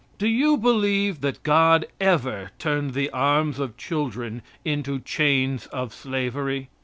Do you believe that God ever turned the arms of children into chains of slavery?